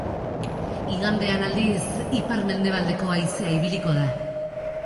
Igandean, aldiz, ipar-mendebaldeko haizea ibiliko da.